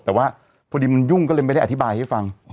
แต่ว่าพอดีมันยุ่งก็เลยไม่ได้อธิบายให้ฟัง